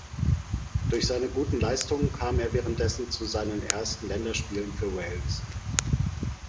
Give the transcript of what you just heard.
Durch seine guten Leistungen kam er währenddessen zu seinen ersten Länderspielen für Wales.